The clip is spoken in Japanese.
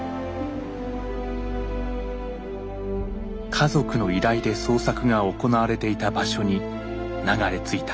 家族の依頼で捜索が行われていた場所に流れ着いた。